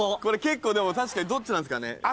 これ結構でも確かにどっちなんすかね？